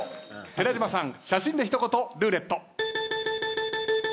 寺島さん写真で一言ルーレット。